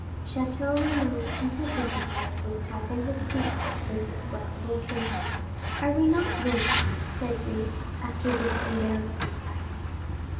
Château Renaud contented himself with tapping his boot with his flexible cane. "Are we not going?" said he, after this embarrassing silence.